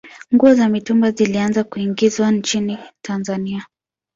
nguo za mitumba zilianza kuingizwa nchini tanzania